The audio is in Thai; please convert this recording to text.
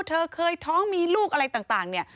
เธอเคยท้องมีลูกอะไรต่างเนี่ย